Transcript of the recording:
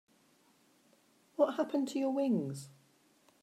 What happened to your wings?